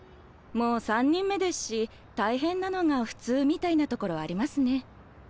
もう３人目ですし大変なのが普通みたいなところありますね。